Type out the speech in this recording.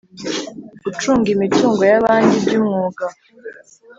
Ucunga imitungo y ‘abandi by’umwuga